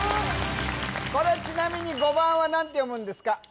これちなみに５番は何て読むんですか？